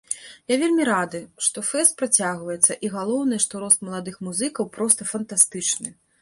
Я вельмі рады, што фэст працягваецца, і, галоўнае, што рост маладых музыкаў проста фантастычны!